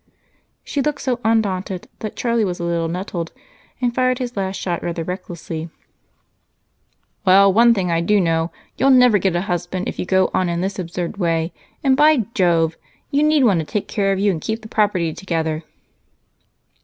She looked so undaunted that Charlie was a little nettled and fired his last shot rather recklessly: "Well, one thing I do know you'll never get a husband if you go on in this absurd way, and by Jove! you need one to take care of you and keep the property together!"